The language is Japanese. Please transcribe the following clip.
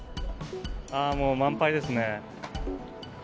もう満杯ですね。